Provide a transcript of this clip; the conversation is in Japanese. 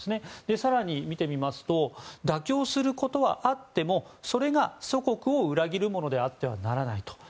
更に見てみますと妥協することはあってもそれが祖国を裏切るものであってはならないと。